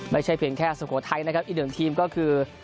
ไม่ใช่เพียงแค่สุโขทัยนะครับอีกหนึ่งทีมก็คือ